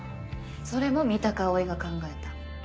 それも三鷹蒼が考えた？